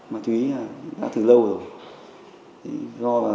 mà chú ý là đã từ lâu rồi